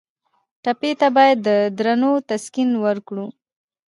ټپي ته باید د دردونو تسکین ورکړو.